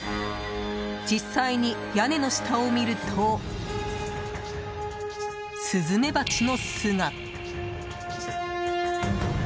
実際に屋根の下を見るとスズメバチの巣が。